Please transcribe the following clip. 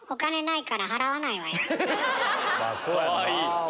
かわいい！